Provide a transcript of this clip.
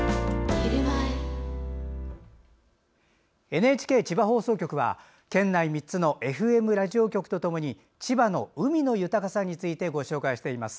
ＮＨＫ千葉放送局は県内３つのＦＭラジオ局とともに千葉の海の豊かさについてご紹介しています。